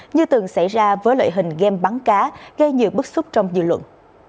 như từng xảy ra với loại hình game bắn cá gây nhiều bức xúc trong dự luận